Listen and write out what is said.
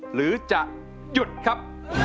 หรือจะหยุดครับ